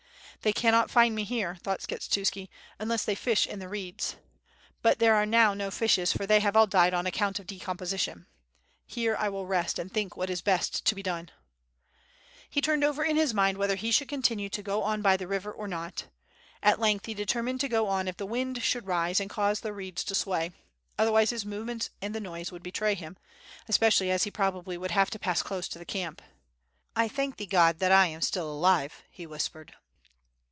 "They cannot find me here," thought Skshetuski, "unless they fish in the reeds. But there are now no fishes for they have all died on account of decomposition. Here I will rest and think what is best to be done." He turned over in his mind whether he should continue to go on by the river or not. At length he determined to ^o on if the wind should rise and cause the reeds to sway; otherwise his movements and the noise would betray him, especially as he probably wauld have to pass close to the camp. "I thank Thee, God, that 1 am still alive," he whispered.